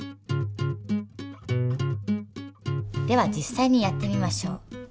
では実さいにやってみましょう。